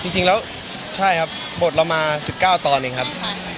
จริงแล้วใช่ครับบทเรามา๑๙ตอนเองครับ